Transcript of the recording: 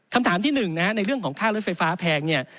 คำถามที่๑ในเรื่องของภาครถไฟฟ้าแพงเนี่ย